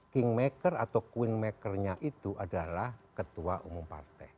kingmaker atau queenmakernya itu adalah ketua umum partai